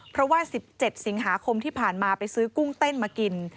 เพราะว่า๑๗สิงหาคมที่ผ่านมาไปซื้อกุ้งเต้นมากิน